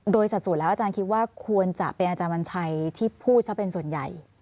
โดยสัดส่วนแล้วอาจารย์คิดว่าควรจะเป็นอาจารย์วัญชัยที่พูดซะเป็นส่วนใหญ่